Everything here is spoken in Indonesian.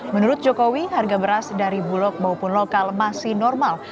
menurut jokowi harga beras dari bulog maupun lokal masih normal